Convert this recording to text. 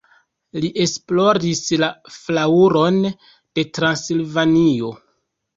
Li esploris la flaŭron de Transilvanio.